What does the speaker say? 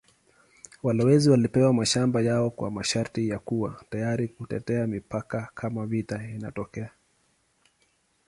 Walowezi walipewa mashamba yao kwa masharti ya kuwa tayari kutetea mipaka kama vita inatokea.